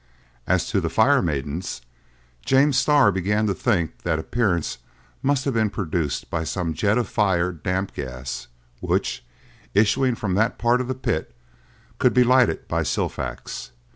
As to the "fire maidens," James Starr began to think that appearance must have been produced by some jet of fire damp gas which, issuing from that part of the pit, could be lighted by Silfax.